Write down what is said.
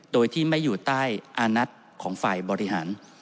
โดยที่ไม่อยู่ใต้อานัทของฝ่ายบริหาร